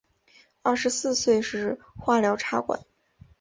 二十四岁时化疗插管